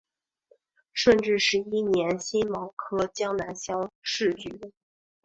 顺治十一年辛卯科江南乡试举人。